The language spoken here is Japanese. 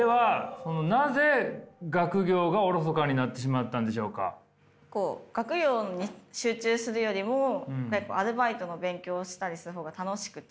学業に集中するよりもアルバイトの勉強したりするほうが楽しくて。